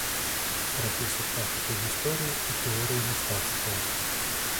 Прафесар кафедры гісторыі і тэорыі мастацтваў.